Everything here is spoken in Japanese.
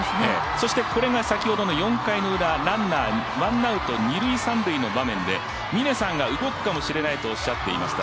そしてこれが先ほどの４回のウラランナーワンアウト、二・三塁の場面で峰さんが動くかもしれないとおっしゃっていました